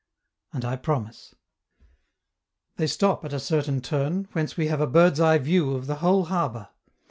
And I promise. They stop at a certain turn, whence we have a bird's eye view of the whole harbor.